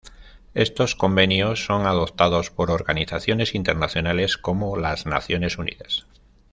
Estos convenios son adoptados por organizaciones internacionales como las Naciones Unidas.